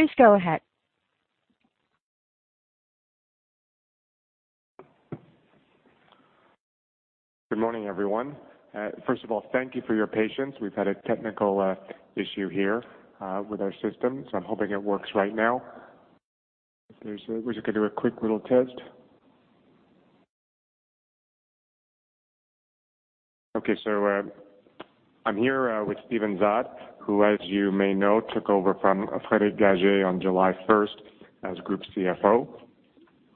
Please go ahead. Good morning, everyone. First of all, thank you for your patience. We've had a technical issue here with our system. I'm hoping it works right now. We're just going to do a quick little test. Okay. I'm here with Steven Zaat, who, as you may know, took over from Frédéric Gagey on July 1st as Group CFO.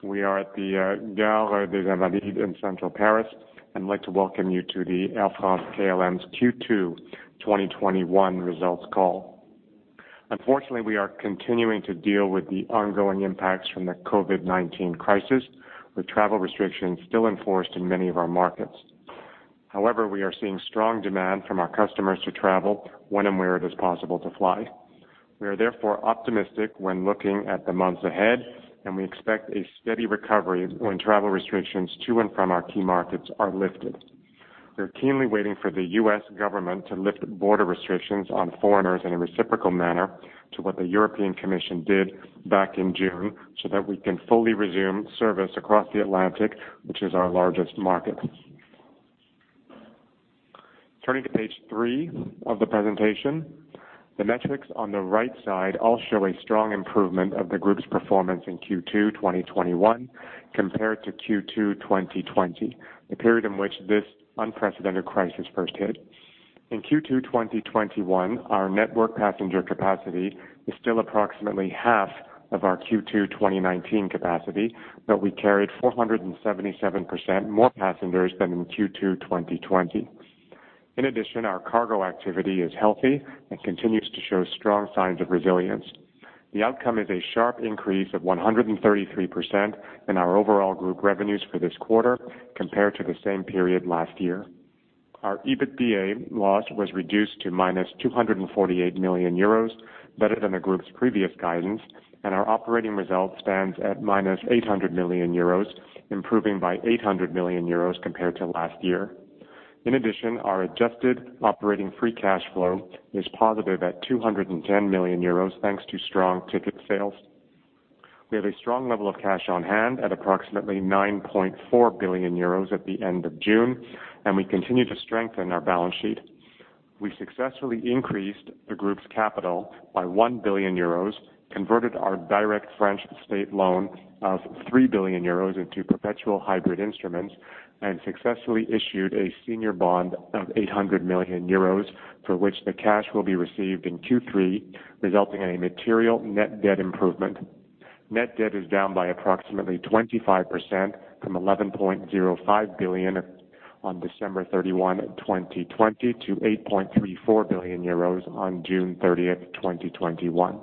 We are at the Gare des Invalides in central Paris. I'd like to welcome you to the Air France-KLM's Q2 2021 results call. Unfortunately, we are continuing to deal with the ongoing impacts from the COVID-19 crisis, with travel restrictions still enforced in many of our markets. However, we are seeing strong demand from our customers to travel when and where it is possible to fly. We are therefore optimistic when looking at the months ahead, and we expect a steady recovery when travel restrictions to and from our key markets are lifted. We are keenly waiting for the U.S. government to lift the border restrictions on foreigners in a reciprocal manner to what the European Commission did back in June, so that we can fully resume service across the Atlantic, which is our largest market. Turning to page three of the presentation, the metrics on the right side all show a strong improvement of the group's performance in Q2 2021 compared to Q2 2020, the period in which this unprecedented crisis first hit. In Q2 2021, our network passenger capacity is still approximately half of our Q2 2019 capacity, but we carried 477% more passengers than in Q2 2020. In addition, our cargo activity is healthy and continues to show strong signs of resilience. The outcome is a sharp increase of 133% in our overall group revenues for this quarter compared to the same period last year. Our EBITDA loss was reduced to -248 million euros, better than the group's previous guidance, and our operating result stands at minus 800 million euros, improving by 800 million euros compared to last year. In addition, our adjusted operating free cash flow is positive at 210 million euros thanks to strong ticket sales. We have a strong level of cash on hand at approximately 9.4 billion euros at the end of June, and we continue to strengthen our balance sheet. We successfully increased the group's capital by 1 billion euros, converted our direct French state loan of 3 billion euros into perpetual hybrid instruments, and successfully issued a senior bond of 800 million euros, for which the cash will be received in Q3, resulting in a material net debt improvement. Net debt is down by approximately 25% from 11.05 billion on December 31, 2020, to 8.34 billion euros on June 30, 2021.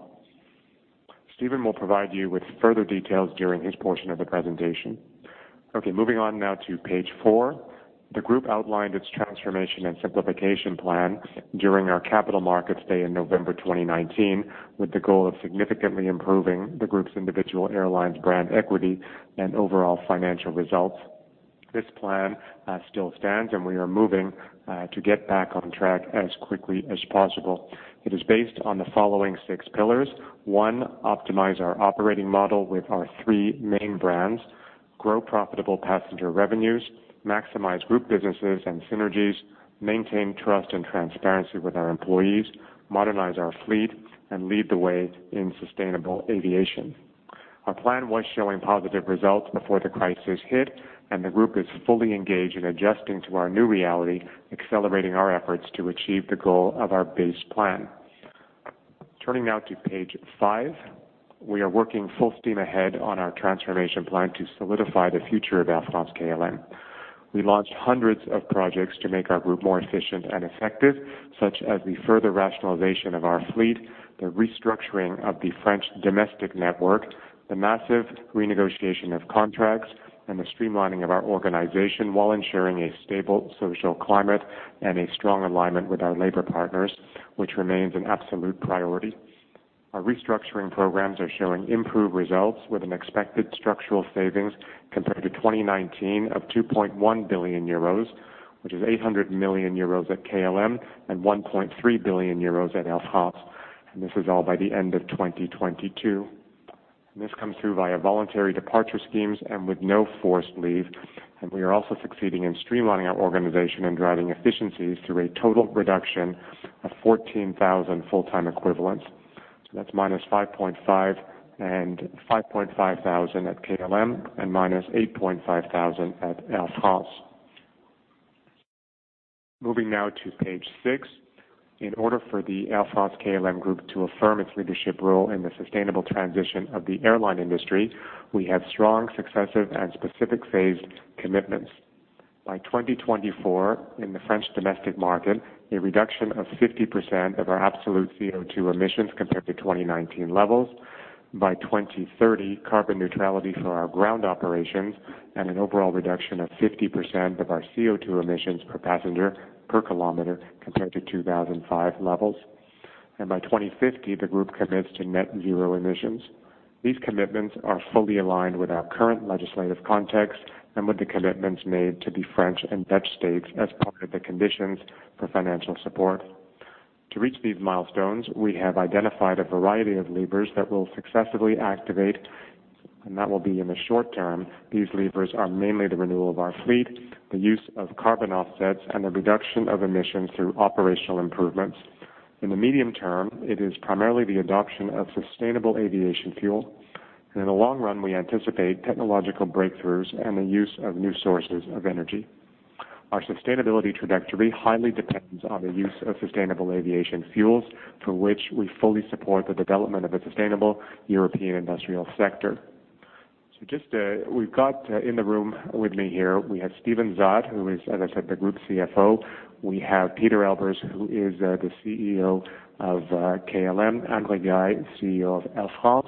Steven will provide you with further details during his portion of the presentation. Okay. Moving on now to page four. The group outlined its transformation and simplification plan during our Capital Markets Day in November 2019, with the goal of significantly improving the group's individual airlines brand equity and overall financial results. This plan still stands, and we are moving to get back on track as quickly as possible. It is based on the following six pillars. One, optimize our operating model with our three main brands. Grow profitable passenger revenues. Maximize group businesses and synergies. Maintain trust and transparency with our employees. Modernize our fleet, and lead the way in sustainable aviation. Our plan was showing positive results before the crisis hit, and the group is fully engaged in adjusting to our new reality, accelerating our efforts to achieve the goal of our base plan. Turning now to page five. We are working full steam ahead on our transformation plan to solidify the future of Air France-KLM. We launched hundreds of projects to make our group more efficient and effective, such as the further rationalization of our fleet, the restructuring of the French domestic network, the massive renegotiation of contracts, and the streamlining of our organization while ensuring a stable social climate and a strong alignment with our labor partners, which remains an absolute priority. Our restructuring programs are showing improved results with an expected structural savings compared to 2019 of 2.1 billion euros, which is 800 million euros at KLM and 1.3 billion euros at Air France, this is all by the end of 2022. This comes through via voluntary departure schemes and with no forced leave. We are also succeeding in streamlining our organization and driving efficiencies through a total reduction of 14,000 full-time equivalents. That's minus 5,500 at KLM and minus 8,500 at Air France. Moving now to page six. In order for the Air France-KLM group to affirm its leadership role in the sustainable transition of the airline industry, we have strong, successive, and specific phased commitments. By 2024, in the French domestic market, a reduction of 50% of our absolute CO2 emissions compared to 2019 levels. By 2030, carbon neutrality for our ground operations and an overall reduction of 50% of our CO2 emissions per passenger per kilometer compared to 2005 levels. By 2050, the group commits to net zero emissions. These commitments are fully aligned with our current legislative context and with the commitments made to the French and Dutch states as part of the conditions for financial support. To reach these milestones, we have identified a variety of levers that will successively activate, and that will be in the short term. These levers are mainly the renewal of our fleet, the use of carbon offsets, and the reduction of emissions through operational improvements. In the medium term, it is primarily the adoption of sustainable aviation fuel. In the long run, we anticipate technological breakthroughs and the use of new sources of energy. Our sustainability trajectory highly depends on the use of sustainable aviation fuels, for which we fully support the development of a sustainable European industrial sector. We've got in the room with me here, we have Steven Zaat, who is, as I said, the Group CFO. We have Pieter Elbers, who is the CEO of KLM. Anne Rigail, CEO of Air France.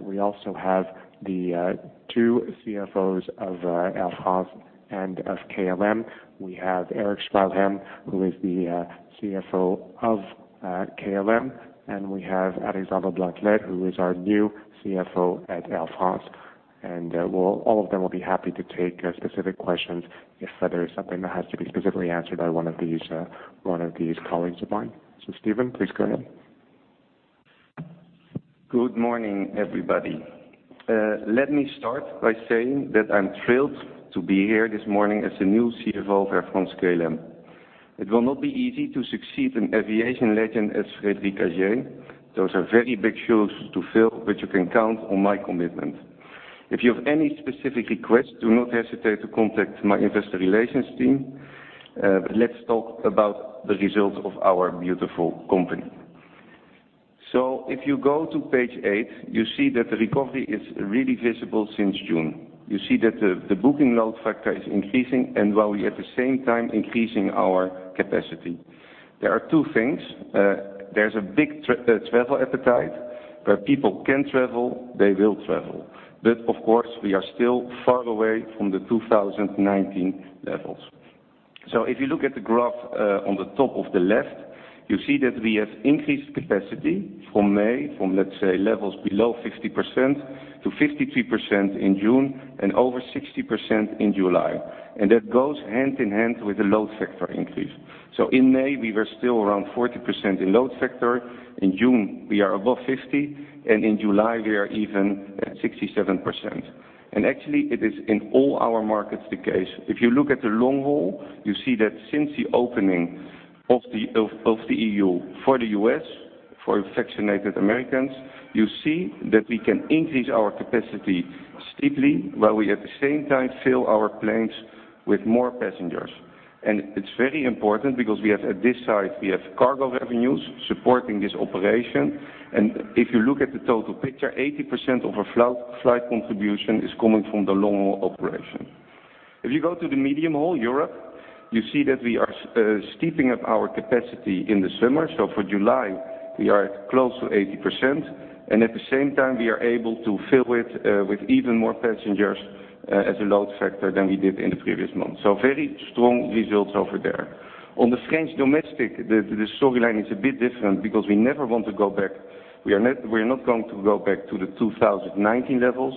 We also have the two CFOs of Air France and of KLM. We have Erik Swelheim, who is the CFO of KLM. We have Alexandra Vissot-Blanlac, who is our new CFO at Air France. All of them will be happy to take specific questions if there is something that has to be specifically answered by one of these colleagues of mine. Steven, please go ahead. Good morning, everybody. Let me start by saying that I'm thrilled to be here this morning as the new CFO of Air France-KLM. It will not be easy to succeed an aviation legend as Frédéric Gagey. Those are very big shoes to fill, but you can count on my commitment. If you have any specific requests, do not hesitate to contact my investor relations team. Let's talk about the results of our beautiful company. If you go to page eight, you see that the recovery is really visible since June. You see that the booking load factor is increasing and while we at the same time increasing our capacity. There are two things. There's a big travel appetite, where people can travel, they will travel. Of course, we are still far away from the 2019 levels. If you look at the graph on the top of the left, you see that we have increased capacity from May, from let's say levels below 50% to 53% in June and over 60% in July. That goes hand in hand with the load factor increase. In May, we were still around 40% in load factor. In June, we are above 50, and in July we are even at 67%. Actually it is in all our markets the case. If you look at the long haul, you see that since the opening of the EU for the U.S., for vaccinated Americans, you see that we can increase our capacity steeply while we at the same time fill our planes with more passengers. It's very important because we have at this side, we have cargo revenues supporting this operation. If you look at the total picture, 80% of our flight contribution is coming from the long-haul operation. If you go to the medium haul, Europe, you see that we are stepping up our capacity in the summer. For July, we are close to 80%, and at the same time, we are able to fill it with even more passengers as a load factor than we did in the previous month. Very strong results over there. On the French domestic, the storyline is a bit different because we never want to go back. We're not going to go back to the 2019 levels.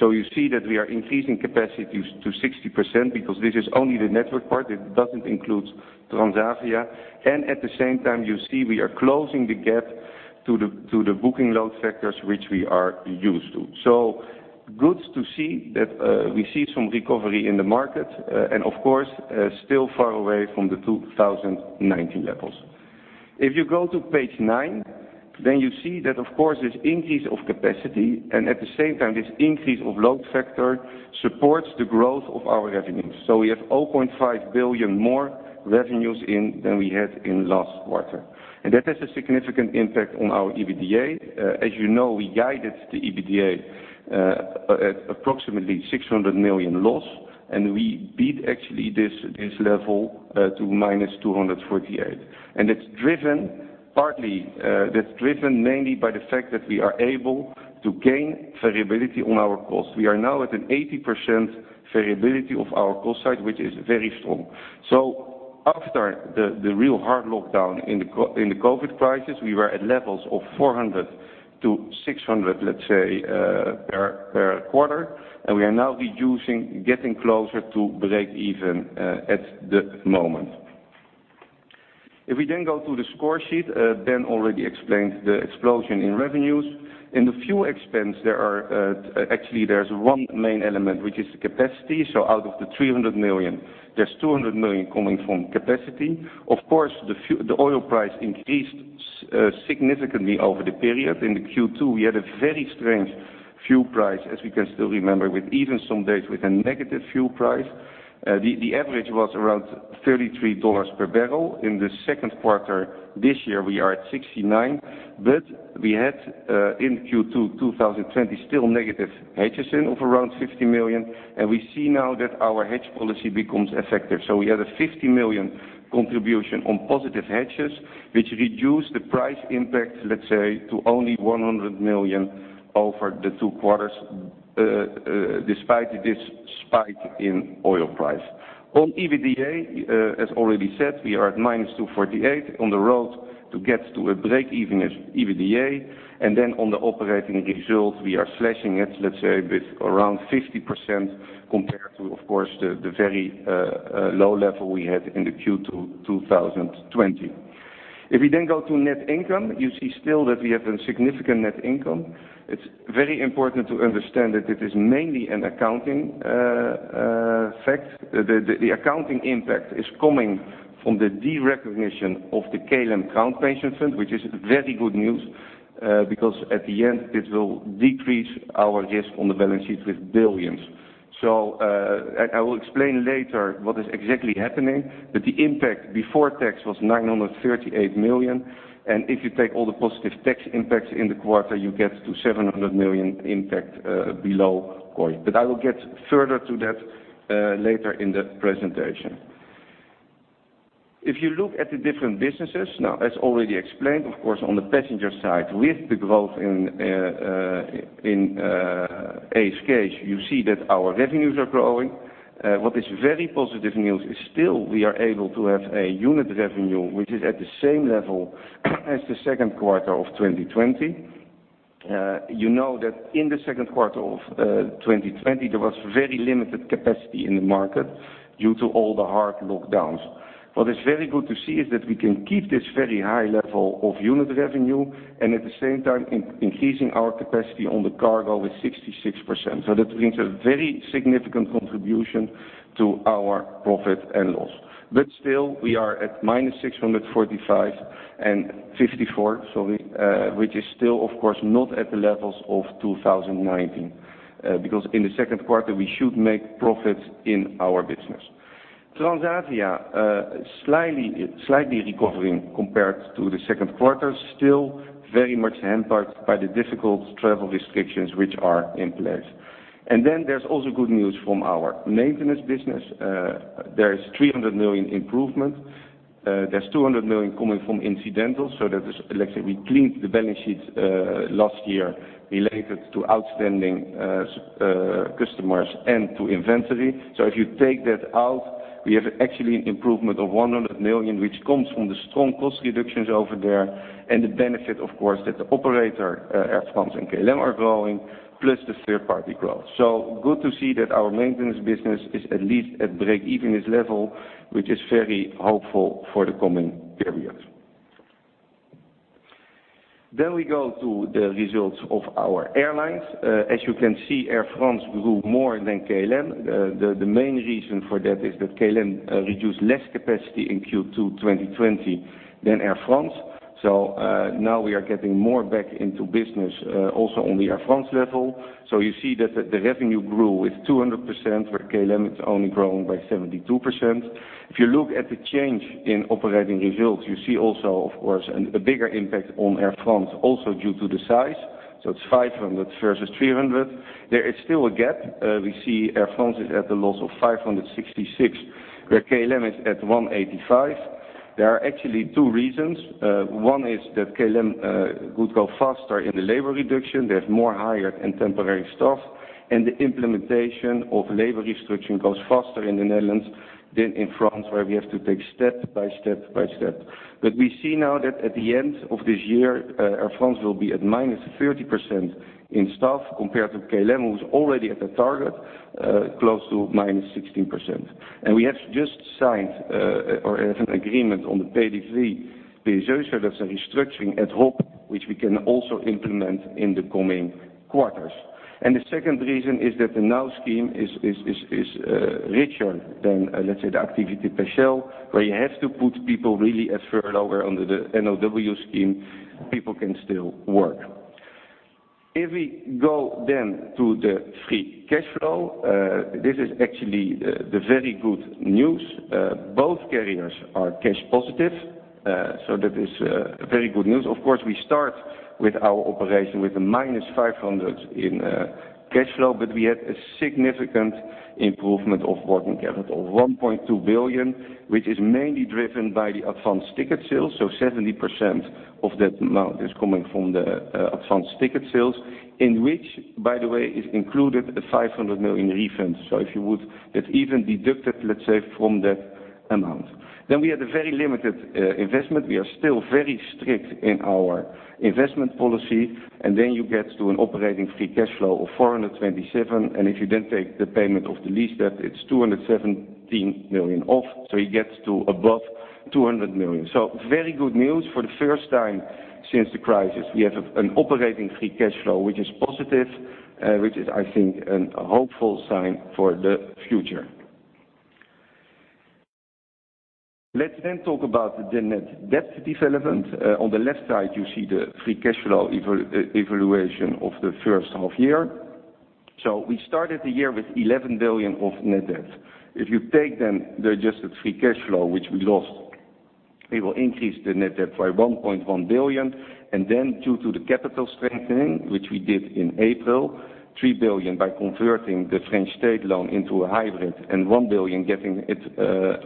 You see that we are increasing capacity to 60% because this is only the network part. It doesn't include Transavia. At the same time, you see we are closing the gap to the booking load factors, which we are used to. Good to see that we see some recovery in the market, and of course, still far away from the 2019 levels. If you go to page nine, you see that, of course, this increase of capacity, and at the same time, this increase of load factor supports the growth of our revenues. We have 0.5 billion more revenues in than we had in last quarter. That has a significant impact on our EBITDA. As you know, we guided the EBITDA at approximately 600 million loss, and we beat actually this level to minus 248 million. That is driven mainly by the fact that we are able to gain variability on our cost. We are now at an 80% variability of our cost side, which is very strong. After the real hard lockdown in the COVID crisis, we were at levels of 400-600, let's say, per quarter, and we are now reducing, getting closer to break-even at the moment. If we then go to the score sheet, Ben already explained the explosion in revenues. In the fuel expense, actually there's one main element, which is the capacity. Out of the 300 million, there's 200 million coming from capacity. Of course, the oil price increased significantly over the period. In the Q2, we had a very strange fuel price, as we can still remember, with even some days with a negative fuel price. The average was around $33 per barrel. In the second quarter this year, we are at $69, but we had in Q2 2020 still negative hedges in of around 50 million, and we see now that our hedge policy becomes effective. We had a 50 million contribution on positive hedges, which reduced the price impact, let's say, to only 100 million over the two quarters, despite this strong spike in oil price. On EBITDA, as already said, we are at -248 on the road to get to a break-even EBITDA. Then on the operating results, we are slashing it, let's say, with around 50% compared to, of course, the very low level we had in the Q2 2020. If you go to net income, you see still that we have a significant net income. It's very important to understand that it is mainly an accounting fact. The accounting impact is coming from the derecognition of the KLM Ground Pension Fund, which is very good news because, at the end, it will decrease our risk on the balance sheet with billions of EUR. I will explain later what is exactly happening. The impact before tax was 938 million, and if you take all the positive tax impacts in the quarter, you get to 700 million impact below COI. I will get further to that later in the presentation. If you look at the different businesses, now, as already explained, of course, on the passenger side, with the growth in ASKs, you see that our revenues are growing. Very positive news is still we are able to have a unit revenue, which is at the same level as the second quarter of 2020. You know that in the second quarter of 2020, there was very limited capacity in the market due to all the hard lockdowns. Very good to see is that we can keep this very high level of unit revenue and at the same time increasing our capacity on the cargo with 66%. That brings a very significant contribution to our profit and loss. Still, we are at -645 and 54, sorry, which is still, of course, not at the levels of 2019. In the second quarter, we should make profits in our business. Transavia slightly recovering compared to the second quarter, still very much hampered by the difficult travel restrictions which are in place. There's also good news from our maintenance business. There is 300 million improvement. There's 200 million coming from incidental. That is, let's say, we cleaned the balance sheet last year related to outstanding customers and to inventory. If you take that out, we have actually an improvement of 100 million, which comes from the strong cost reductions over there and the benefit, of course, that the operator Air France and KLM are growing, plus the third-party growth. Good to see that our maintenance business is at least at break-evenness level, which is very hopeful for the coming periods. We go to the results of our airlines. As you can see, Air France grew more than KLM. The main reason for that is that KLM reduced less capacity in Q2 2020 than Air France. Now we are getting more back into business also on the Air France level. You see that the revenue grew with 200%, where KLM, it's only grown by 72%. If you look at the change in operating results, you see also, of course, a bigger impact on Air France, also due to the size. It's 500 versus 300. There is still a gap. We see Air France is at a loss of 566, where KLM is at 185. There are actually two reasons. One is that KLM could go faster in the labor reduction. They have more hired and temporary staff, and the implementation of labor restriction goes faster in the Netherlands than in France, where we have to take step by step by step. We see now that at the end of this year, Air France will be at -30% in staff compared to KLM, who's already at the target, close to -16%. We have just signed or have an agreement on the Plan de Départs Volontaires, so that's a restructuring at hub, which we can also implement in the coming quarters. The second reason is that the NOW scheme is richer than, let's say, the Activité Partielle, where you have to put people really at furlough under the NOW scheme, people can still work. We go then to the free cash flow, this is actually the very good news. Both carriers are cash positive, that is very good news. Of course, we start with our operation with -500 in cash flow, we had a significant improvement of working capital, 1.2 billion, which is mainly driven by the advance ticket sales. 70% of that amount is coming from the advance ticket sales, in which, by the way, is included a 500 million refund. If you would, that's even deducted, let's say, from that amount. We had a very limited investment. We are still very strict in our investment policy. Then you get to an operating free cash flow of 427. If you then take the payment of the lease debt, it's 217 million off. You get to above 200 million. Very good news. For the first time since the crisis, we have an operating free cash flow, which is positive, which is, I think, an hopeful sign for the future. Let's talk about the net debt development. On the left side, you see the free cash flow evaluation of the first half year. We started the year with 11 billion of net debt. If you take the adjusted free cash flow, which we lost, it will increase the net debt by 1.1 billion. Due to the capital strengthening, which we did in April, 3 billion by converting the French state loan into a hybrid and 1 billion getting it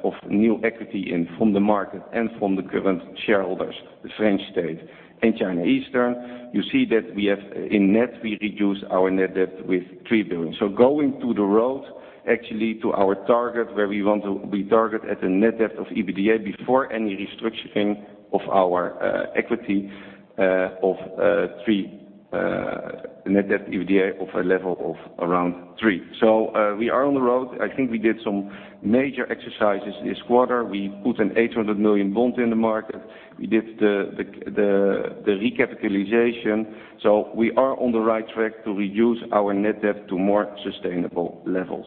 of new equity in from the market and from the current shareholders, the French state and China Eastern. You see that we have in net, we reduce our net debt with 3 billion. Going to the road, actually to our target where we want to be target at a net debt EBITDA before any restructuring of our equity of 3 billion. A net debt EBITDA of a level of around 3. We are on the road. I think we did some major exercises this quarter. We put an 800 million bond in the market. We did the recapitalization. We are on the right track to reduce our net debt to more sustainable levels.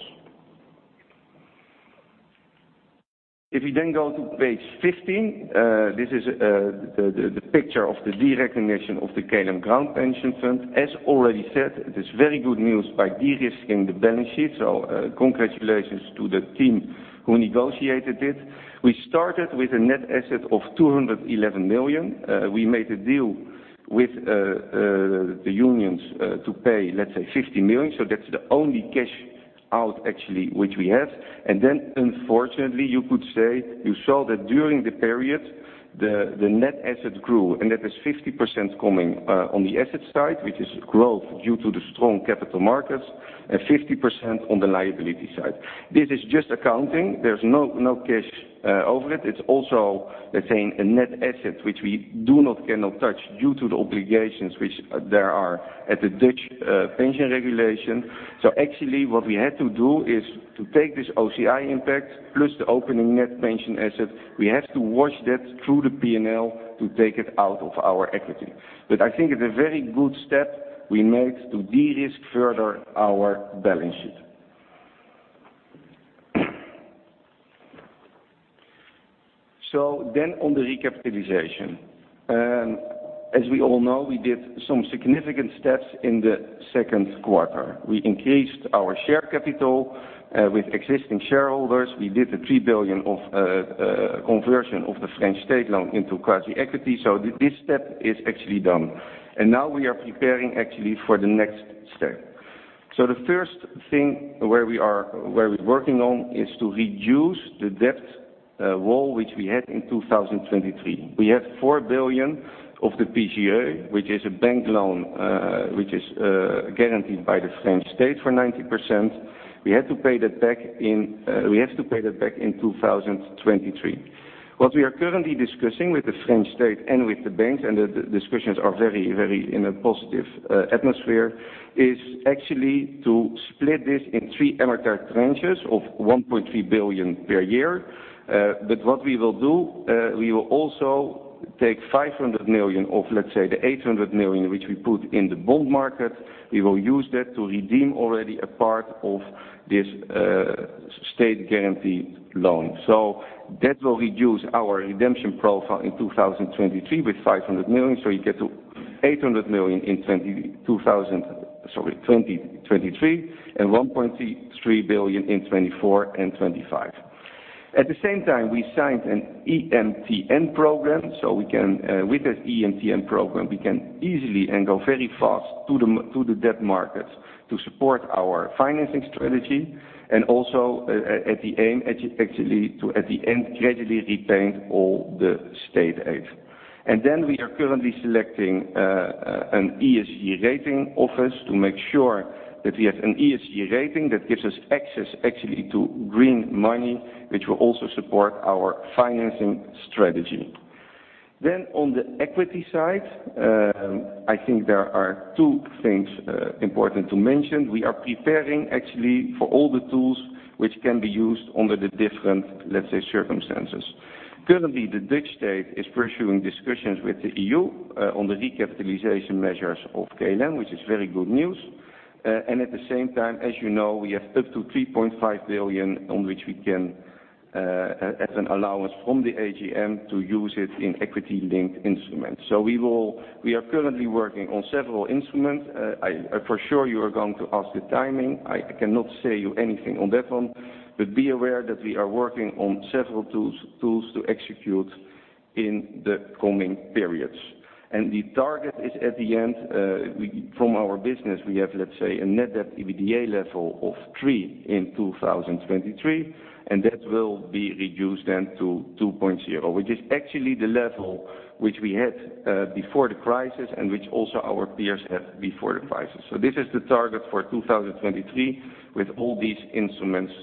If you then go to page 15, this is the picture of the derecognition of the KLM Ground Pension Fund. As already said, it is very good news by de-risking the balance sheet. Congratulations to the team who negotiated it. We started with a net asset of 211 million. We made a deal with the unions, to pay, let's say, 50 million. That's the only cash out actually which we had. Unfortunately, you could say, you saw that during the period, the net asset grew, and that is 50% coming on the asset side, which is growth due to the strong capital markets, and 50% on the liability side. This is just accounting. There's no cash over it. It's also, let's say, a net asset which we cannot touch due to the obligations which there are at the Dutch pension regulation. Actually what we had to do is to take this OCI impact plus the opening net pension asset. We have to wash that through the P&L to take it out of our equity. I think it's a very good step we made to de-risk further our balance sheet. On the recapitalization. As we all know, we did some significant steps in the second quarter. We increased our share capital, with existing shareholders. We did the 3 billion of conversion of the French state loan into quasi-equity. This step is actually done. Now we are preparing actually for the next step. The first thing where we're working on is to reduce the debt wall, which we had in 2023. We had 4 billion of the PGE, which is a bank loan, which is guaranteed by the French state for 90%. We have to pay that back in 2023. What we are currently discussing with the French state and with the banks, and the discussions are very in a positive atmosphere, is actually to split this in three amortized tranches of 1.3 billion per year. What we will do, we will also take 500 million of, let's say, the 800 million, which we put in the bond market. We will use that to redeem already a part of this state-guaranteed loan. That will reduce our redemption profile in 2023 with 500 million. You get to 800 million in 2023 and 1.3 billion in 2024 and 2025. At the same time, we signed an EMTN program. With this EMTN program, we can easily and go very fast to the debt markets to support our financing strategy and also at the aim actually to, at the end, gradually repay all the state aid. We are currently selecting an ESG rating office to make sure that we have an ESG rating that gives us access actually to green money, which will also support our financing strategy. On the equity side, I think there are two things important to mention. We are preparing actually for all the tools which can be used under the different, let's say, circumstances. Currently, the Dutch state is pursuing discussions with the EU on the recapitalization measures of KLM, which is very good news. At the same time, as you know, we have up to 3.5 billion on which we can, as an allowance from the AGM, to use it in equity-linked instruments. We are currently working on several instruments. For sure you are going to ask the timing. I cannot say you anything on that one, but be aware that we are working on several tools to execute in the coming periods. The target is at the end, from our business, we have, let's say, a net debt EBITDA level of 3 in 2023, and that will be reduced then to 2.0, which is actually the level which we had before the crisis and which also our peers had before the crisis. This is the target for 2023 with all these instruments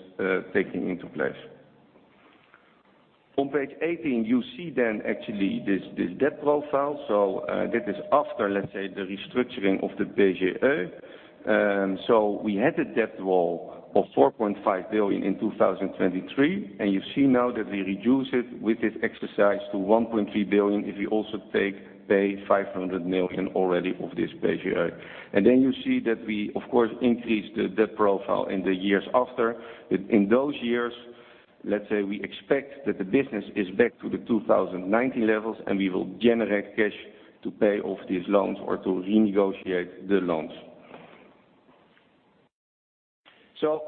taking into place. On page 18, you see then actually this debt profile. That is after, let's say, the restructuring of the PGE. We had a debt wall of 4.5 billion in 2023, and you see now that we reduce it with this exercise to 1.3 billion if we also take, pay 500 million already of this PGE. Then you see that we of course increase the debt profile in the years after. In those years, let's say we expect that the business is back to the 2019 levels and we will generate cash to pay off these loans or to renegotiate the loans.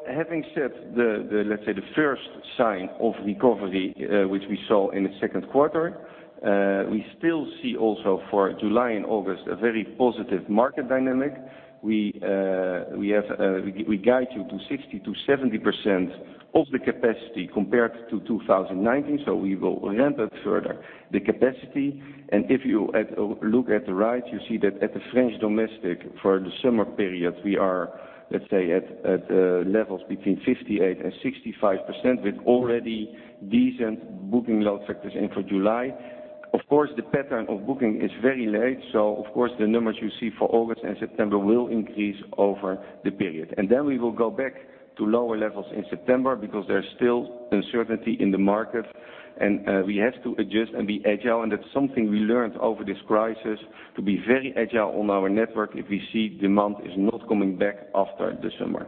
Having said the, let's say, the first sign of recovery, which we saw in the second quarter, we still see also for July and August a very positive market dynamic. We guide you to 60%-70% of the capacity compared to 2019. We will ramp up further the capacity. If you look at the right, you see that at the French domestic for the summer period, we are, let's say, at levels between 58% and 65% with already decent booking load factors in for July. The pattern of booking is very late. The numbers you see for August and September will increase over the period. Then we will go back to lower levels in September because there's still uncertainty in the market, and we have to adjust and be agile, and that's something we learned over this crisis, to be very agile on our network if we see demand is not coming back after the summer.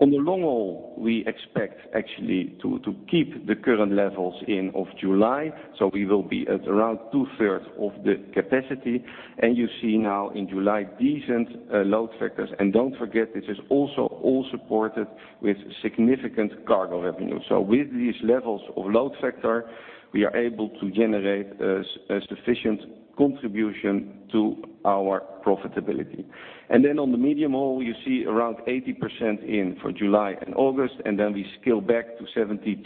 On the long haul, we expect actually to keep the current levels in of July. We will be at around two-thirds of the capacity. You see now in July, decent load factors. Don't forget, this is also all supported with significant cargo revenue. With these levels of load factor, we are able to generate a sufficient contribution to our profitability. Then on the medium haul, you see around 80% in for July and August, then we scale back to 72%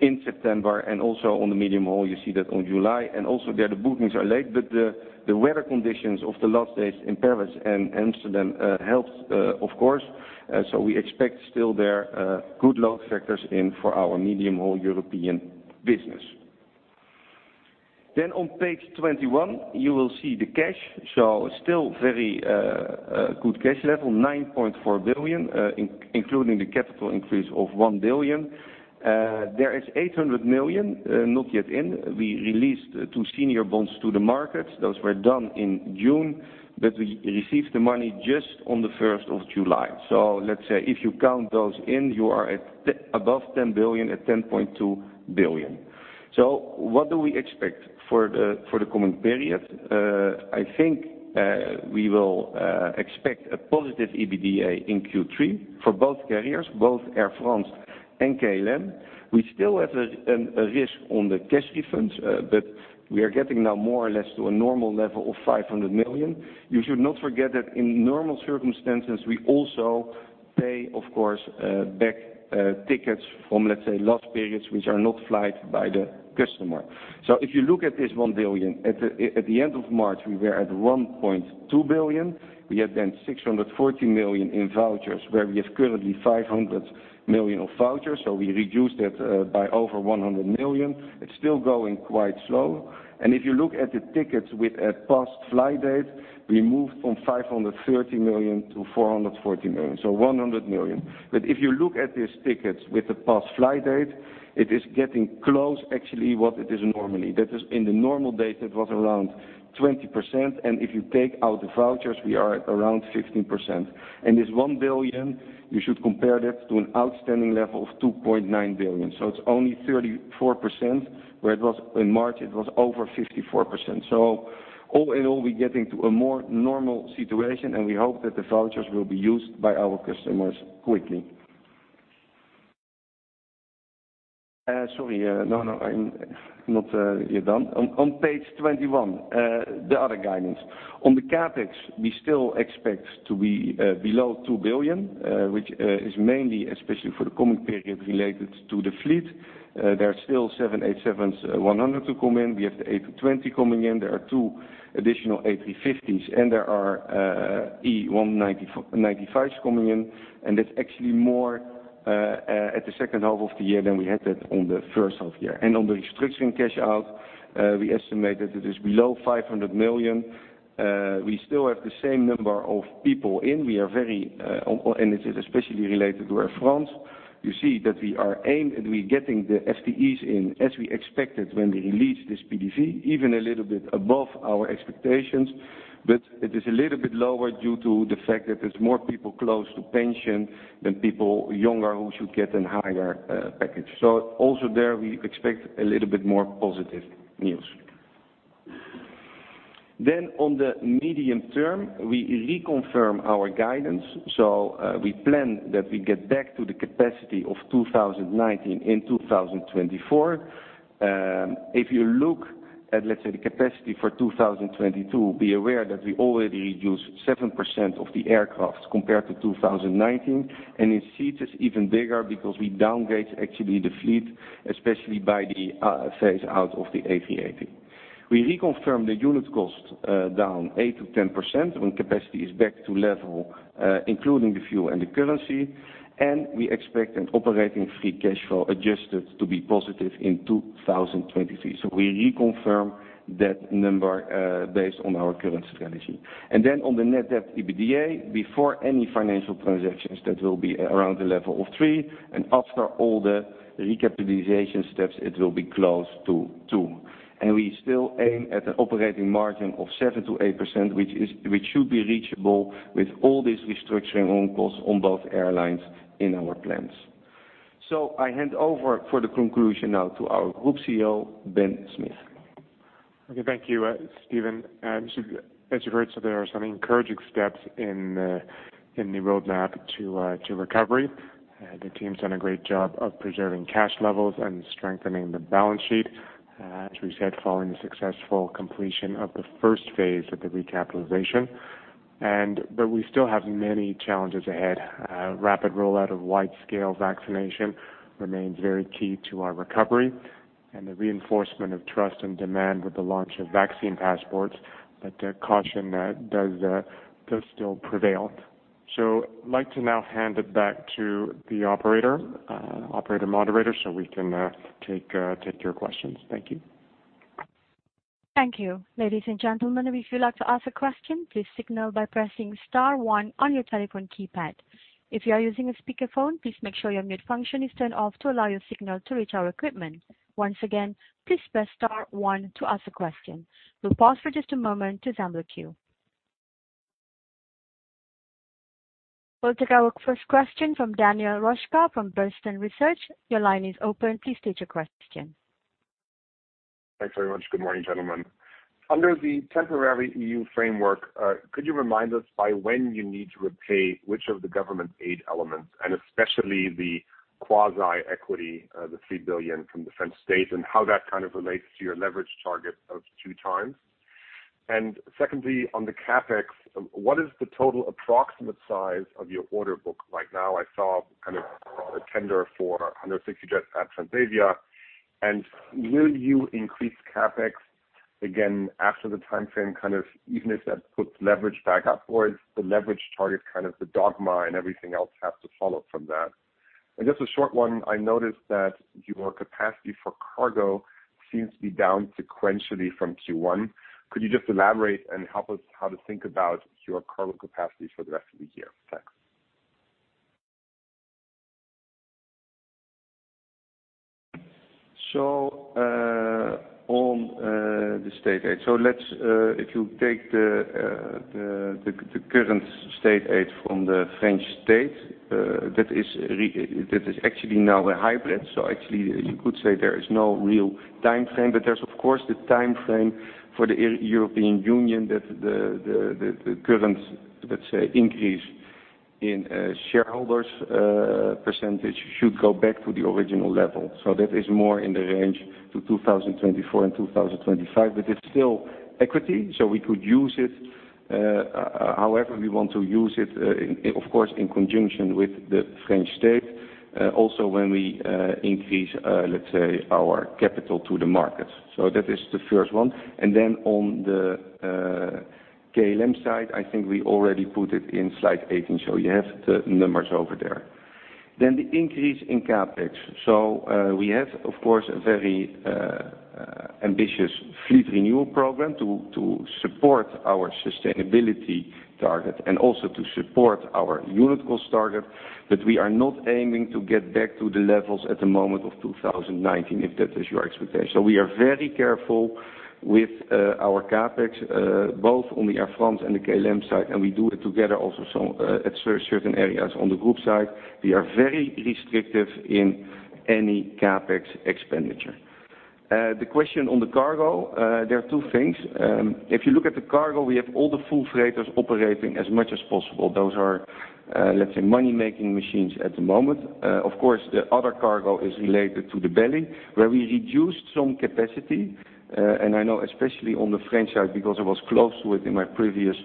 in September. On the medium-haul, you see that on July, there the bookings are late, but the weather conditions of the last days in Paris and Amsterdam helped, of course. We expect still there good load factors in for our medium-haul European business. On page 21, you will see the cash. Still very good cash level, 9.4 billion, including the capital increase of 1 billion. There is 800 million not yet in. We released two senior bonds to the market. Those were done in June, but we received the money just on the 1st of July. Let's say if you count those in, you are above 10 billion, at 10.2 billion. What do we expect for the coming period? I think we will expect a positive EBITDA in Q3 for both carriers, both Air France and KLM. We still have a risk on the cash refunds. We are getting now more or less to a normal level of 500 million. You should not forget that in normal circumstances, we also pay, of course, back tickets from, let's say, last periods which are not flied by the customer. If you look at this 1 billion, at the end of March, we were at 1.2 billion. We had 640 million in vouchers, where we have currently 500 million of vouchers. We reduced that by over 100 million. It's still going quite slow. If you look at the tickets with a past fly date, we moved from 530 million to 440 million, 100 million. If you look at these tickets with the past fly date, it is getting close, actually, what it is normally. That is, in the normal days, it was around 20%, and if you take out the vouchers, we are at around 15%. This 1 billion, you should compare that to an outstanding level of 2.9 billion. It's only 34%, where in March it was over 54%. All in all, we're getting to a more normal situation, and we hope that the vouchers will be used by our customers quickly. Sorry. No, I'm not yet done. On page 21, the other guidance. On the CapEx, we still expect to be below 2 billion, which is mainly especially for the coming period related to the fleet. There are still 787-10s to come in. We have the A220 coming in. There are two additional A350s, and there are E195s coming in, and that's actually more at the second half of the year than we had that on the first half year. On the restructuring cash out, we estimate that it is below 500 million. We still have the same number of people in. It is especially related to Air France. You see that we are aimed, and we are getting the FTEs in as we expected when we released this PDV, even a little bit above our expectations, but it is a little bit lower due to the fact that there's more people close to pension than people younger who should get an higher package. Also there, we expect a little bit more positive news. On the medium term, we reconfirm our guidance. We plan that we get back to the capacity of 2019 in 2024. If you look at, let's say, the capacity for 2022, be aware that we already reduced 7% of the aircraft compared to 2019, and in seats it's even bigger because we downgrade actually the fleet, especially by the phase-out of the A380. We reconfirm the unit cost down 8%-10% when capacity is back to level, including the fuel and the currency, and we expect an operating free cash flow adjusted to be positive in 2023. We reconfirm that number based on our current strategy. On the net debt EBITDA, before any financial transactions, that will be around the level of 3, and after all the recapitalization steps, it will be close to 2. We still aim at an operating margin of 7%-8%, which should be reachable with all these restructuring costs on both airlines in our plans. I hand over for the conclusion now to our Group CEO, Ben Smith. Okay. Thank you, Steven. As you've heard, there are some encouraging steps in the roadmap to recovery. The team's done a great job of preserving cash levels and strengthening the balance sheet, as we said, following the successful completion of the first phase of the recapitalization. We still have many challenges ahead. Rapid rollout of wide-scale vaccination remains very key to our recovery and the reinforcement of trust and demand with the launch of vaccine passports, but caution does still prevail. I'd like to now hand it back to the operator moderator, so we can take your questions. Thank you. Thank you. Ladies and gentlemen, if you'd like to ask a question, please signal by pressing star one on your telephone keypad. If you are using a speakerphone, please make sure your mute function is turned off to allow your signal to reach our equipment. Once again, please press star one to ask a question. We'll pause for just a moment to assemble a queue. We'll take our first question from Daniel Roeska from Bernstein Research. Your line is open. Please state your question. Thanks very much. Good morning, gentlemen. Under the temporary EU framework, could you remind us by when you need to repay which of the government aid elements, especially the quasi-equity, the 3 billion from the French state, and how that kind of relates to your leverage target of two times? Secondly, on the CapEx, what is the total approximate size of your order book right now? I saw a tender for 160 jets at Transavia. Will you increase CapEx again after the timeframe, even if that puts leverage back upwards, the leverage target, the dogma and everything else have to follow from that. Just a short one, I noticed that your capacity for cargo seems to be down sequentially from Q1. Could you just elaborate and help us how to think about your cargo capacity for the rest of the year? Thanks. On the state aid. If you take the current state aid from the French state, that is actually now a hybrid. Actually, you could say there is no real timeframe, but there's of course the timeframe for the European Union that the current increase in shareholders percentage should go back to the original level. That is more in the range to 2024 and 2025, but it's still equity, so we could use it however we want to use it, of course, in conjunction with the French state. Also when we increase our capital to the market. That is the first one. On the KLM side, I think we already put it in slide 18. You have the numbers over there. The increase in CapEx. We have, of course, a very ambitious fleet renewal program to support our sustainability target and also to support our unit cost target. We are not aiming to get back to the levels at the moment of 2019, if that is your expectation. We are very careful with our CapEx, both on the Air France and the KLM side, and we do it together also at certain areas. On the group side, we are very restrictive in any CapEx expenditure. The question on the cargo, there are two things. If you look at the cargo, we have all the full freighters operating as much as possible. Those are money-making machines at the moment. Of course, the other cargo is related to the belly, where we reduced some capacity. I know, especially on the French side, because I was close to it in my previous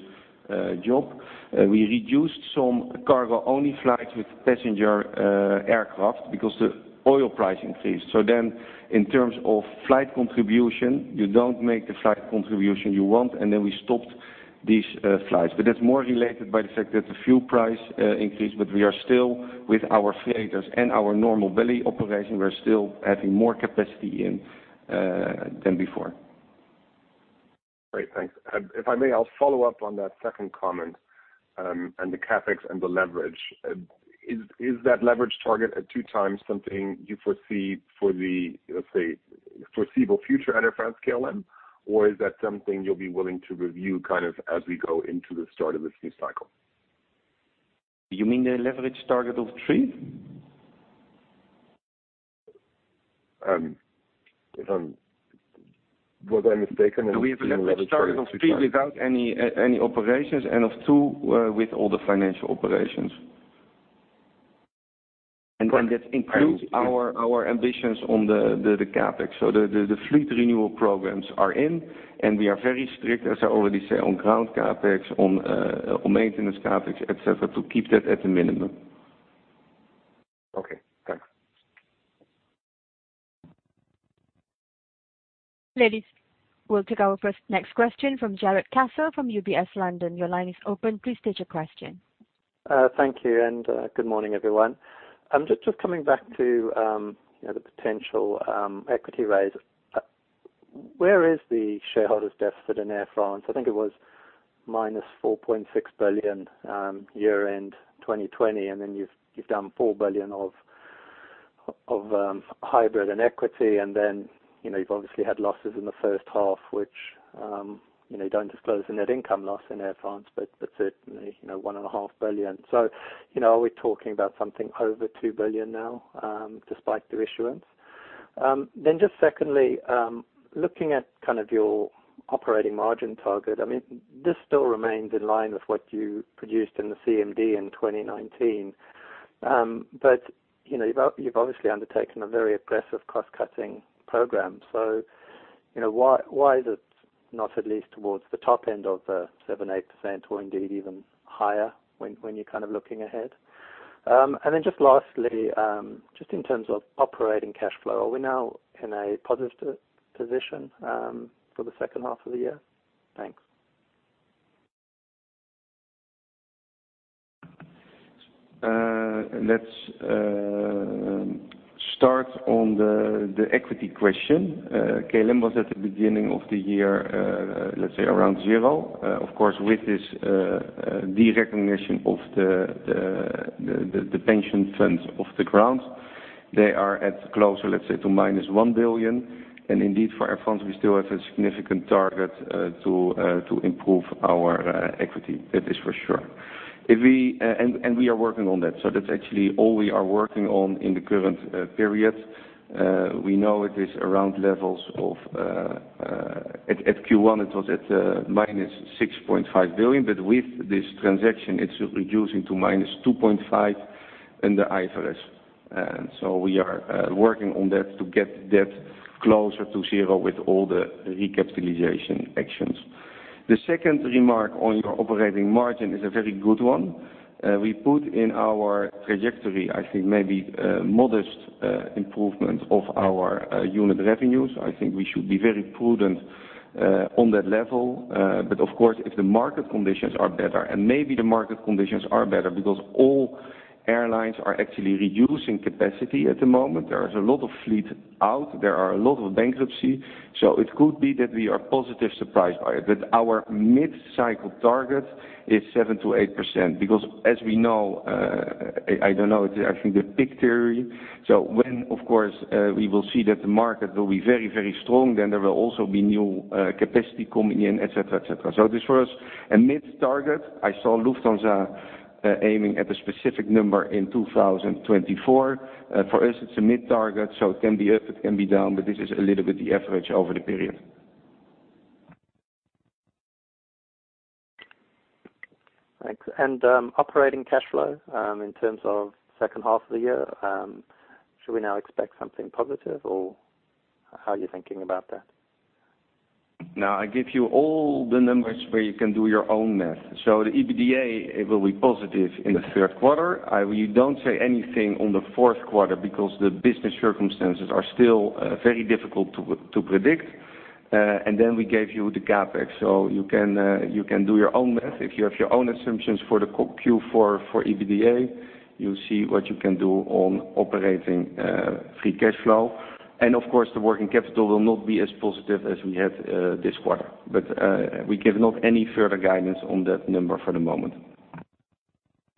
job. We reduced some cargo-only flights with passenger aircraft because the oil price increased. In terms of flight contribution, you don't make the flight contribution you want, we stopped these flights. That's more related by the fact that the fuel price increased, we are still with our freighters and our normal belly operation, we're still adding more capacity in than before. Great. Thanks. If I may, I'll follow up on that second comment, and the CapEx and the leverage. Is that leverage target at two times something you foresee for the foreseeable future at Air France-KLM? Is that something you'll be willing to review as we go into the start of this new cycle? You mean the leverage target of 3? Was I mistaken? I thought you said leverage target of two times. We have a leverage target of 3 without any operations, and of 2 with all the financial operations. Correct. That includes our ambitions on the CapEx. The fleet renewal programs are in, and we are very strict, as I already said, on ground CapEx, on maintenance CapEx, et cetera, to keep that at a minimum. Okay. Thanks. We'll take our next question from Jarrod Castle from UBS London. Your line is open. Please state your question. Thank you, and good morning, everyone. Just coming back to the potential equity raise. Where is the shareholders' deficit in Air France? I think it was -4.6 billion year-end 2020, and then you've done 4 billion of hybrid and equity, and then you've obviously had losses in the first half, which you don't disclose the net income loss in Air France, but certainly, one and a half billion. Are we talking about something over 2 billion now, despite the issuance? Just secondly, looking at your operating margin target, this still remains in line with what you produced in the CMD in 2019. You've obviously undertaken a very aggressive cost-cutting program. Why is it not at least towards the top end of the 7%-8%, or indeed even higher when you're looking ahead? Lastly, just in terms of operating cash flow, are we now in a positive position for the second half of the year? Thanks. Let's start on the equity question. KLM was at the beginning of the year, let's say around 0. Of course, with this de-recognition of the pension funds of the ground, they are at closer, let's say, to minus 1 billion. Indeed, for Air France, we still have a significant target to improve our equity. That is for sure. We are working on that. That's actually all we are working on in the current period. We know it is around levels of, at Q1 it was at minus 6.5 billion, but with this transaction it's reducing to minus 2.5 billion in the IFRS. We are working on that to get that closer to 0 with all the recapitalization actions. The second remark on your operating margin is a very good one. We put in our trajectory, I think, maybe modest improvement of our unit revenues. I think we should be very prudent on that level. Of course, if the market conditions are better, and maybe the market conditions are better because all airlines are actually reducing capacity at the moment. There is a lot of fleet out. There are a lot of bankruptcies. It could be that we are positively surprised by it, but our mid-cycle target is 7%-8%. As we know, I don't know, I think the pig theory. When, of course, we will see that the market will be very strong, then there will also be new capacity coming in, et cetera. This was a mid-target. I saw Lufthansa aiming at a specific number in 2024. For us, it's a mid-target, so it can be up, it can be down, but this is a little bit the average over the period. Thanks. Operating cash flow, in terms of second half of the year, should we now expect something positive, or how are you thinking about that? I give you all the numbers where you can do your own math. The EBITDA, it will be positive in the third quarter. We don't say anything on the fourth quarter because the business circumstances are still very difficult to predict. We gave you the CapEx, you can do your own math. If you have your own assumptions for the Q4 for EBITDA, you see what you can do on operating free cash flow. Of course, the working capital will not be as positive as we had this quarter. We give not any further guidance on that number for the moment.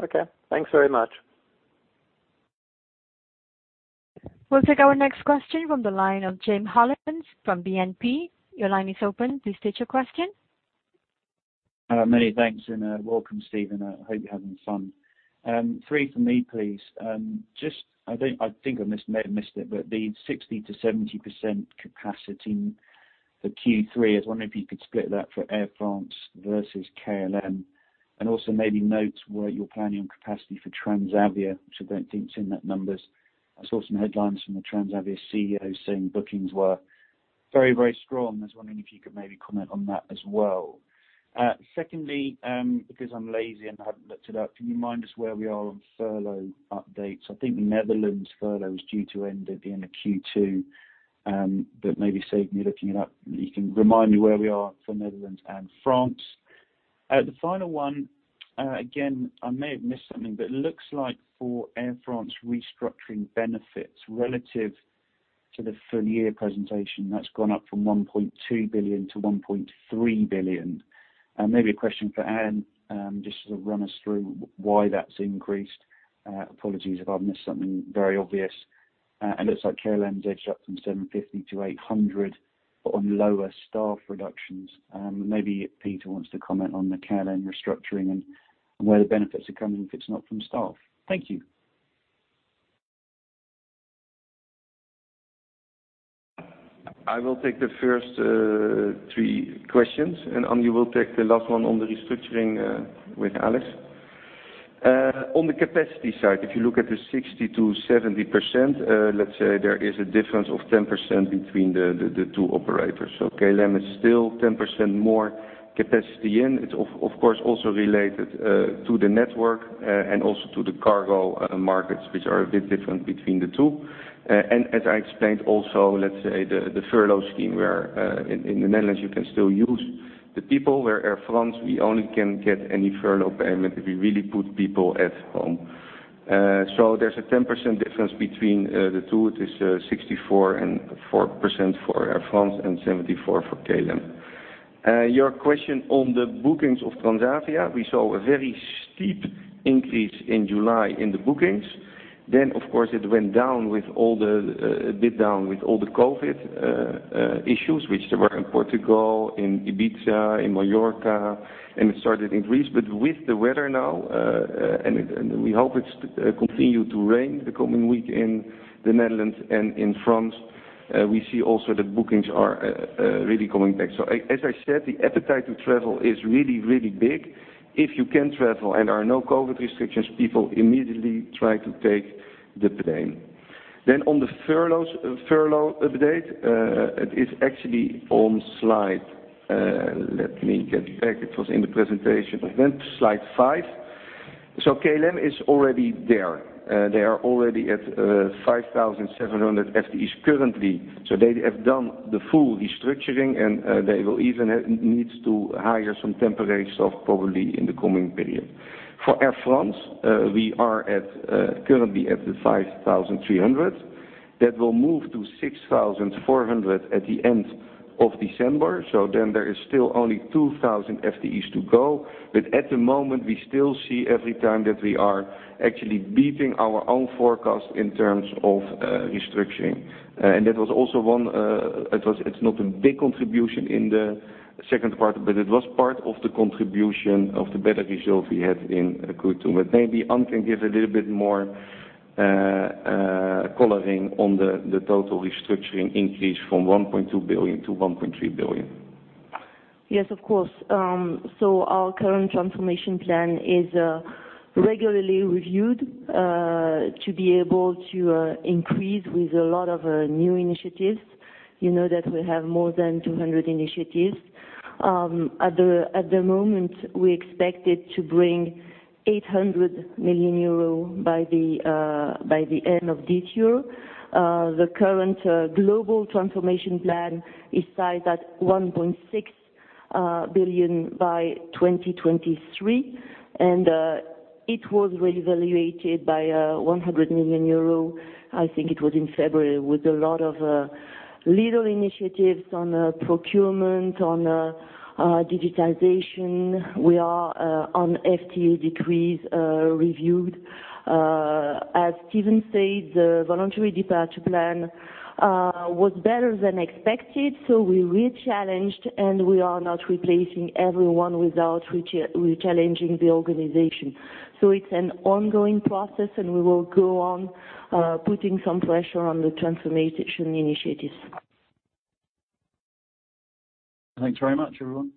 Okay. Thanks very much. We'll take our next question from the line of James Hollins from BNP. Your line is open. Please state your question. Many thanks. Welcome, Steven. I hope you're having fun. Three from me, please. I think I may have missed it, but the 60%-70% capacity for Q3, I was wondering if you could split that for Air France versus KLM, and also maybe note where you're planning on capacity for Transavia, which I don't think it's in that numbers. I saw some headlines from the Transavia CEO saying bookings were very strong. I was wondering if you could maybe comment on that as well. Secondly, because I'm lazy and I haven't looked it up, can you remind us where we are on furlough updates? I think the Netherlands furlough is due to end at the end of Q2. Maybe save me looking it up, you can remind me where we are for Netherlands and France. The final one, again, I may have missed something, but it looks like for Air France restructuring benefits relative to the full-year presentation, that's gone up from 1.2 billion-1.3 billion. Maybe a question for Anne, just to run us through why that's increased. Apologies if I've missed something very obvious. Looks like KLM's edged up from 750-800, but on lower staff reductions. Maybe Pieter wants to comment on the KLM restructuring and where the benefits are coming if it's not from staff. Thank you. I will take the first three questions, and Anne, you will take the last one on the restructuring with Alex. On the capacity side, if you look at the 60%-70%, let's say there is a difference of 10% between the two operators. KLM is still 10% more capacity in. It's of course also related to the network, and also to the cargo markets, which are a bit different between the two. As I explained also, let's say the furlough scheme where in the Netherlands you can still use the people, where Air France, we only can get any furlough payment if we really put people at home. There's a 10% difference between the two. It is 64% for Air France and 74% for KLM. Your question on the bookings of Transavia, we saw a very steep increase in July in the bookings. Of course, it went a bit down with all the COVID issues, which there were in Portugal, in Ibiza, in Majorca, and it started in Greece. With the weather now, and we hope it continue to rain the coming week in the Netherlands and in France, we see also the bookings are really coming back. As I said, the appetite to travel is really big. If you can travel and are no COVID restrictions, people immediately try to take the plane. On the furlough update, it is actually on slide. It was in the presentation. Slide 5. KLM is already there. They are already at 5,700 FTEs currently. They have done the full restructuring, and they will even need to hire some temporary staff probably in the coming period. For Air France, we are currently at the 5,300. That will move to 6,400 at the end of December. Then there is still only 2,000 FTEs to go. At the moment, we still see every time that we are actually beating our own forecast in terms of restructuring. And that was also one, it's not a big contribution in the second part, but it was part of the contribution of the better results we had in Q2. Maybe Anne can give a little bit more coloring on the total restructuring increase from 1.2 billion-1.3 billion. Yes, of course. So our current transformation plan is regularly reviewed to be able to increase with a lot of new initiatives. You know that we have more than 200 initiatives. At the moment, we expect it to bring 800 million euro by the end of this year. The current global transformation plan is sized at 1.6 billion by 2023. It was reevaluated by 100 million euro, I think it was in February, with a lot of little initiatives on procurement, on digitization. We are on FTE decrease reviewed. As Steven said, the Voluntary Departure Plan was better than expected, so we rechallenged, and we are not replacing everyone without rechallenging the organization. It's an ongoing process, and we will go on putting some pressure on the transformation initiatives. Thanks very much, everyone.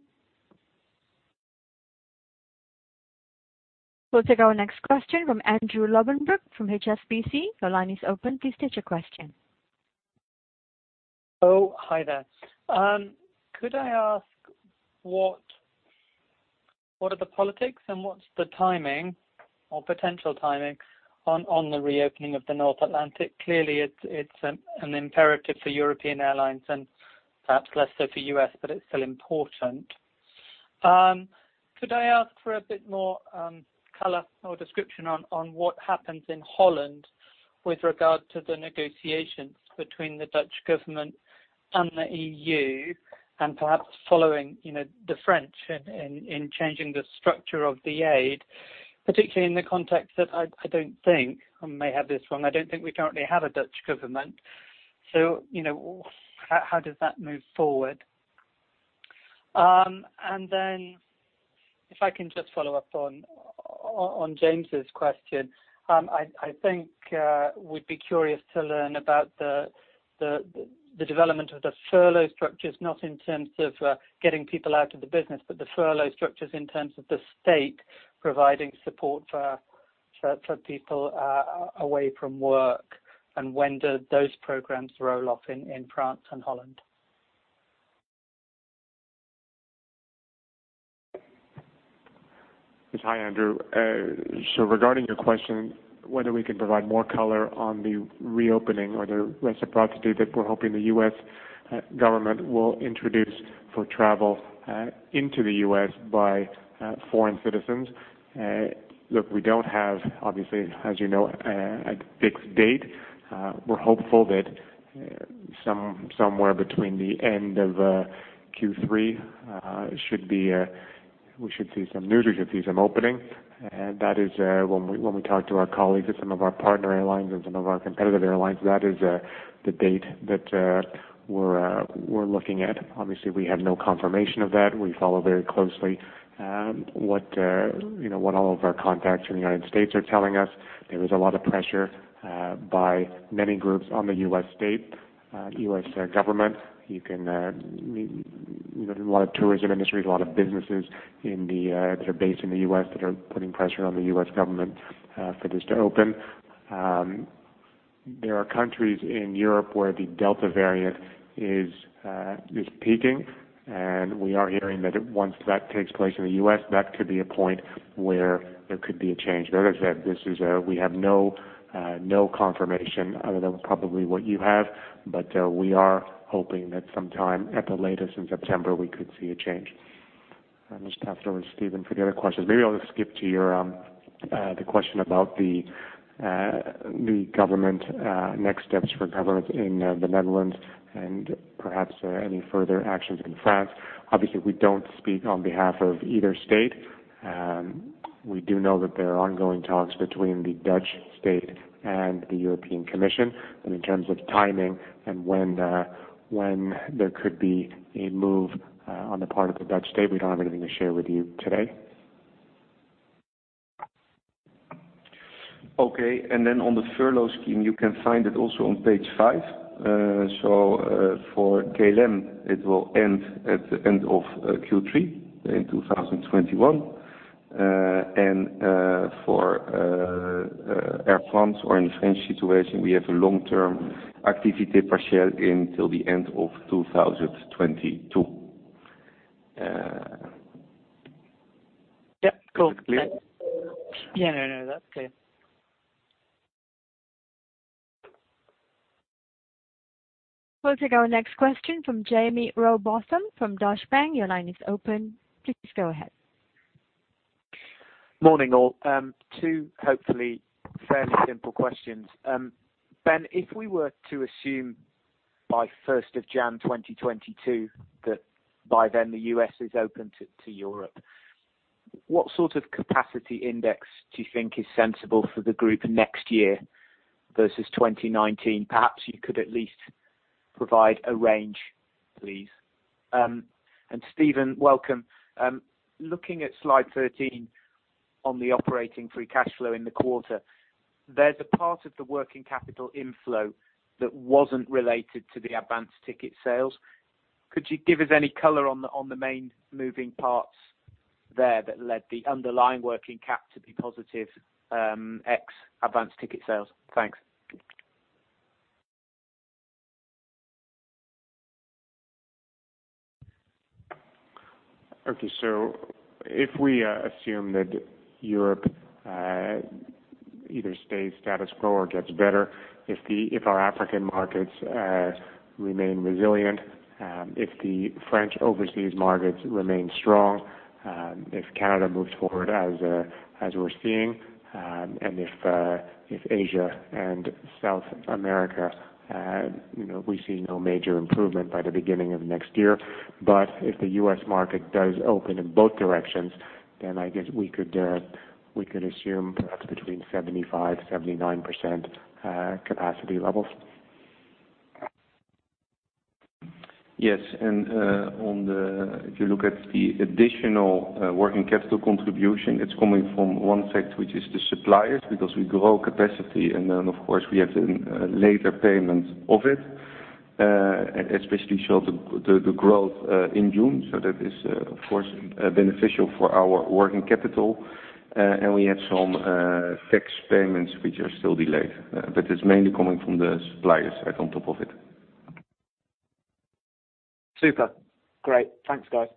We'll take our next question from Andrew Lobbenberg from HSBC. Your line is open. Please state your question. Oh, hi there. Could I ask what are the politics and what's the timing or potential timing on the reopening of the North Atlantic? Clearly, it's an imperative for European airlines and perhaps less so for U.S., but it's still important. Could I ask for a bit more color or description on what happens in Holland with regard to the negotiations between the Dutch government and the EU, and perhaps following the French in changing the structure of the aid, particularly in the context that I don't think, I may have this wrong, I don't think we currently have a Dutch government. How does that move forward? If I can just follow up on James' question. I think we'd be curious to learn about the development of the furlough structures, not in terms of getting people out of the business, but the furlough structures in terms of the state providing support for people away from work, and when do those programs roll off in France and Holland? Yes. Hi, Andrew. Regarding your question, whether we can provide more color on the reopening or the reciprocity that we're hoping the U.S. government will introduce for travel into the U.S. by foreign citizens. Look, we don't have, obviously, as you know, a fixed date. We're hopeful that somewhere between the end of Q3 we should see some news. We should see some opening. When we talk to our colleagues at some of our partner airlines and some of our competitor airlines, that is the date that we're looking at. Obviously, we have no confirmation of that. We follow very closely what all of our contacts in the United States are telling us. There is a lot of pressure by many groups on the U.S. state, U.S. government. A lot of tourism industries, a lot of businesses that are based in the U.S. that are putting pressure on the U.S. government for this to open. There are countries in Europe where the Delta variant is peaking, and we are hearing that once that takes place in the U.S., that could be a point where there could be a change. That said, we have no confirmation other than probably what you have. We are hoping that sometime at the latest in September, we could see a change. I'll just pass it over to Steven for the other questions. Maybe I'll just skip to the question about the government, next steps for government in the Netherlands and perhaps any further actions in France. Obviously, we don't speak on behalf of either state. We do know that there are ongoing talks between the Dutch state and the European Commission. In terms of timing and when there could be a move on the part of the Dutch state, we don't have anything to share with you today. Okay. On the furlough scheme, you can find it also on page five. For KLM, it will end at the end of Q3 in 2021. And for Air France or in French situation, we have a long-term Activité Partielle until the end of 2022. Yeah, cool. Is that clear? Yeah. No, no, that's clear. We'll take our next question from Jaime Rowbotham from Deutsche Bank. Your line is open. Please go ahead. Morning, all. Two hopefully fairly simple questions. Ben, if we were to assume by 1st of January 2022 that by then the U.S. is open to Europe, what sort of capacity index do you think is sensible for the group next year versus 2019? Perhaps you could at least provide a range, please. Steven, welcome. Looking at slide 13 on the operating free cash flow in the quarter, there's a part of the working capital inflow that wasn't related to the advance ticket sales. Could you give us any color on the main moving parts there that led the underlying working cap to be positive, ex advance ticket sales? Thanks. Okay. If we assume that Europe either stays status quo or gets better, if our African markets remain resilient, if the French overseas markets remain strong, if Canada moves forward as we're seeing, and if Asia and South America, we see no major improvement by the beginning of next year. But if the U.S. market does open in both directions, then I guess we could assume perhaps between 75%-79% capacity levels. Yes. If you look at the additional working capital contribution, it's coming from one side, which is the suppliers, because we grow capacity and then, of course, we have the later payment of it, especially show the growth in June. That is, of course, beneficial for our working capital. We have some tax payments which are still delayed. It's mainly coming from the suppliers side on top of it. Super. Great. Thanks, guys.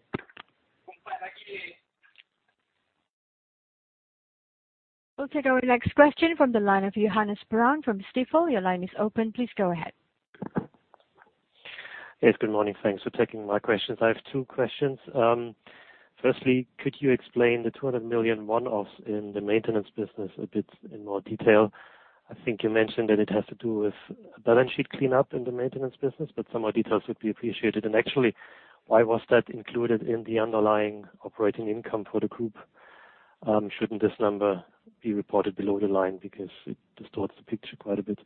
We'll take our next question from the line of Johannes Braun from Stifel. Your line is open. Please go ahead. Yes, good morning. Thanks for taking my questions. I have two questions. Could you explain the 200 million one-offs in the maintenance business a bit in more detail? I think you mentioned that it has to do with a balance sheet cleanup in the maintenance business, but some more details would be appreciated. Actually, why was that included in the underlying operating income for the group? Shouldn't this number be reported below the line because it distorts the picture quite a bit?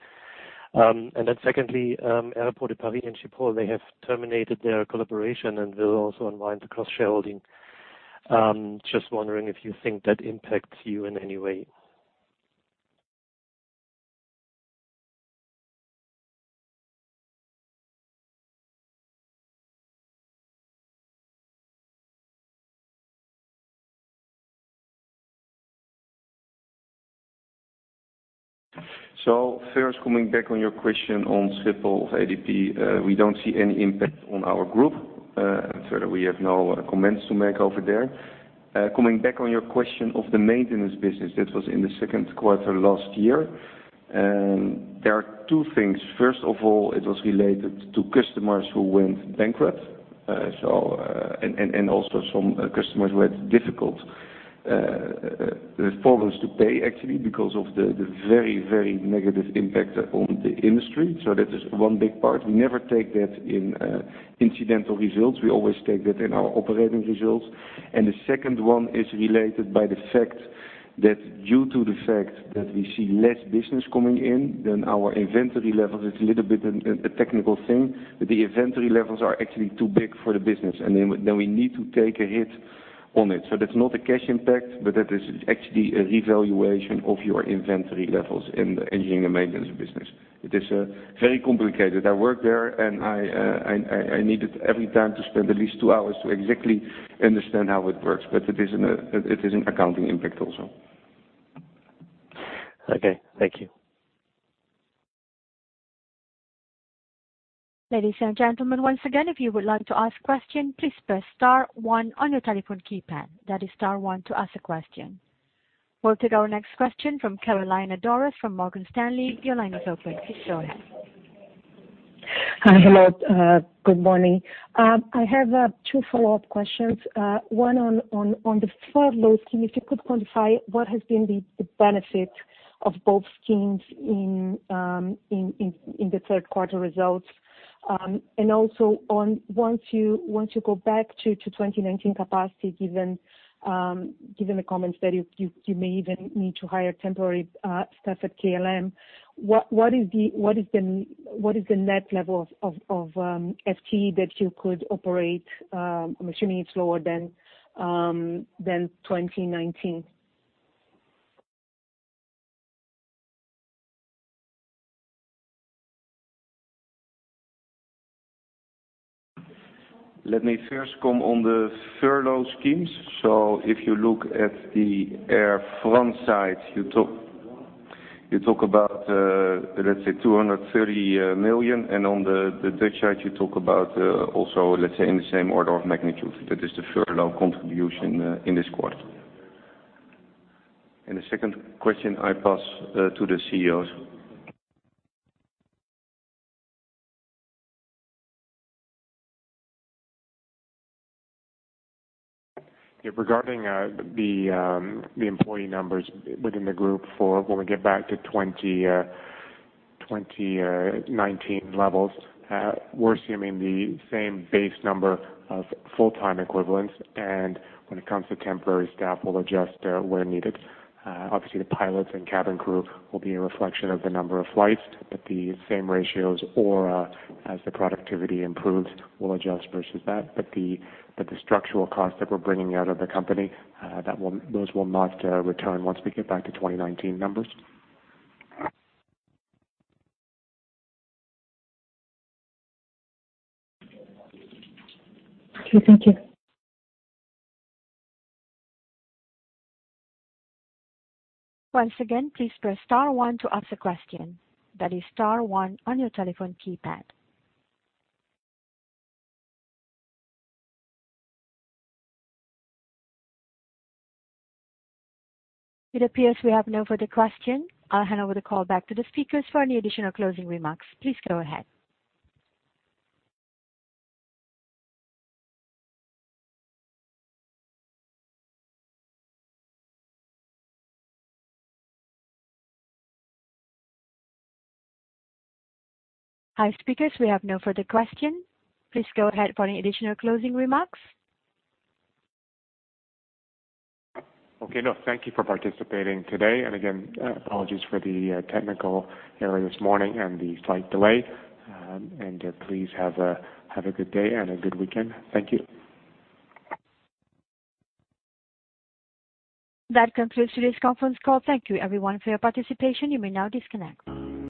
Secondly, Aéroports de Paris and Schiphol, they have terminated their collaboration and will also unwind the cross-shareholding. Just wondering if you think that impacts you in any way. First, coming back on your question on Schiphol of ADP, we don't see any impact on our group. Further, we have no comments to make over there. Coming back on your question of the maintenance business, that was in the second quarter last year. There are two things. First of all, it was related to customers who went bankrupt. Also some customers who had difficult problems to pay, actually, because of the very, very negative impact on the industry. That is one big part. We never take that in incidental results. We always take that in our operating results. The second one is related by the fact that due to the fact that we see less business coming in than our inventory levels, it's a little bit a technical thing, the inventory levels are actually too big for the business, we need to take a hit on it. That's not a cash impact, that is actually a revaluation of your inventory levels in the engineering and maintenance business. It is very complicated. I work there, I need every time to spend at least 2 hours to exactly understand how it works. It is an accounting impact also. Okay. Thank you. Ladies and gentlemen, once again, if you would like to ask question, please press star one on your telephone keypad. That is star one to ask a question. We will take our next question from Carolina Dores from Morgan Stanley. Your line is open. Please go ahead. Hi. Hello. Good morning. I have two follow-up questions. One on the furlough scheme. If you could quantify what has been the benefit of both schemes in the third quarter results. Also on once you go back to 2019 capacity, given the comments that you may even need to hire temporary staff at KLM, what is the net level of FTE that you could operate? I'm assuming it's lower than 2019. Let me first come on the furlough schemes. If you look at the Air France side, you talk about, let's say 230 million, and on the Dutch side, you talk about also, let's say in the same order of magnitude. That is the furlough contribution in this quarter. The second question, I pass to the CEOs. Yeah, regarding the employee numbers within the group for when we get back to 2019 levels. We're assuming the same base number of full-time equivalents, and when it comes to temporary staff, we'll adjust where needed. Obviously, the pilots and cabin crew will be a reflection of the number of flights, but the same ratios, or as the productivity improves, we'll adjust versus that. The structural costs that we're bringing out of the company, those will not return once we get back to 2019 numbers. Okay, thank you. It appears we have no further question. I'll hand over the call back to the speakers for any additional closing remarks. Okay, no. Thank you for participating today. Again, apologies for the technical error this morning and the slight delay. Please have a good day and a good weekend. Thank you. That concludes today's conference call. Thank you, everyone, for your participation. You may now disconnect.